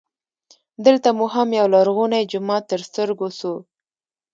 دلته مو هم یولرغونی جومات تر ستر ګو سو.